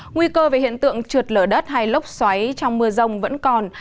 nguy cơ về hiện tượng trượt lở đất hay lốc xoáy trong mưa rông vẫn còn